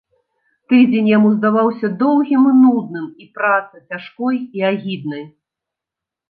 Тыдзень яму здаваўся доўгім і нудным і праца цяжкой і агіднай.